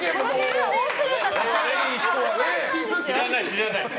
知らない、知らない。